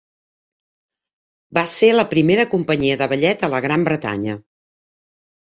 Va ser la primera companyia de ballet a la Gran Bretanya.